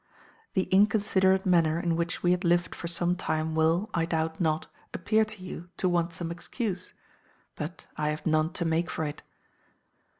"The inconsiderate manner in which we had lived for some time will, I doubt not, appear to you to want some excuse; but I have none to make for it.